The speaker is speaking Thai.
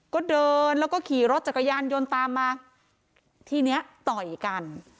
ก็เดินแล้วก็ขี่รถจักรยานยนต์ตามมาทีเนี้ยต่อยกัน